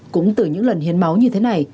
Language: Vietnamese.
cũng từ những lần hiến máu như thế này